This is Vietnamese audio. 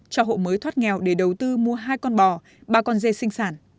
cho hộ mới thoát nghèo để đầu tư mua hai con bò ba con dê sinh sản